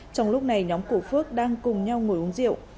trong lúc này nhóm của phước đang cùng nhau ngồi uống rượu